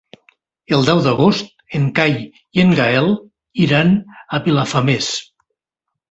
El deu d'agost en Cai i en Gaël iran a Vilafamés.